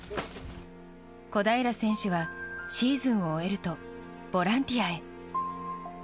小平選手はシーズンを終えるとボランティアへ。